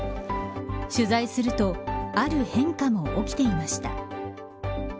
取材するとある変化も起きていました。